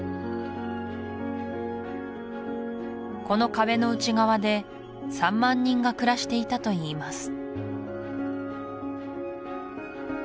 この壁の内側で３万人が暮らしていたといいます